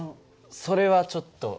それはちょっと。